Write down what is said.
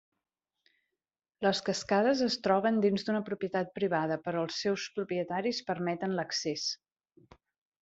Les cascades es troben dins d'una propietat privada, però els seus propietaris permeten l'accés.